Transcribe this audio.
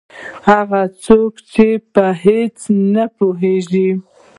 هغه څوک چې په هېڅ نه پوهېږي.